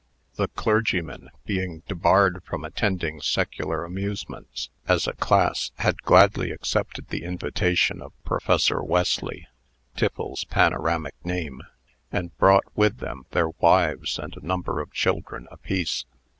The clergymen, being debarred from attending secular amusements, as a class, had gladly accepted the invitation of "Professor Wesley" (Tiffles's panoramic name), and brought with them their wives and a number of children apiece.